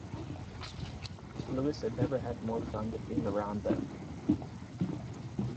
Louis had never had more fun than being around them.